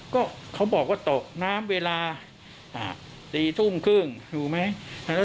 ก็เขาบอกว่าตกน้ำเวลา๔ทุ่มครึ่งถูกไหม